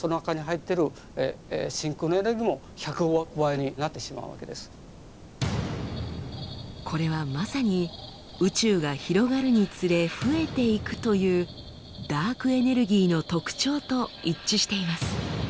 つまりこれはまさに宇宙が広がるにつれ増えていくというダークエネルギーの特徴と一致しています。